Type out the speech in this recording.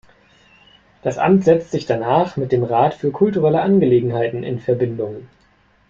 Das Amt setzt sich danach mit dem „Rat für kulturelle Angelegenheiten“ in Verbindung.